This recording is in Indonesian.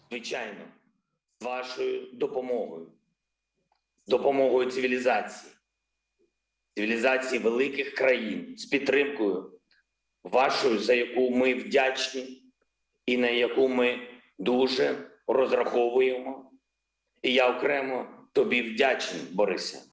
dan yang kita sangat berpikirkan dan saya terima kasih kepada anda boris